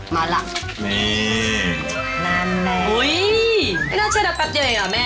มาละนี่นั่นแหละอุ้ยไม่น่าเชื่อดักแป๊บเย้ยหรอแม่